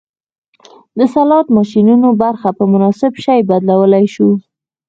د سلاټ ماشینونو برخه په مناسب شي بدلولی شو